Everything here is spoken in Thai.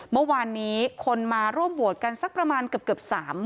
เมื่อวานนี้คนมาร่วมโหวตกันสักประมาณเกือบ๓๐๐๐